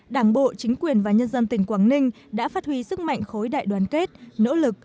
đảng bộ chính quyền và nhân dân tỉnh quảng ninh đã phát huy sức mạnh khối đại đoàn kết nỗ lực